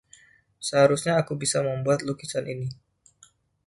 Seharusnya aku bisa membuat lukisan ini!